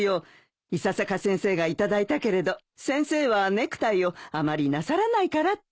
伊佐坂先生が頂いたけれど先生はネクタイをあまりなさらないからって。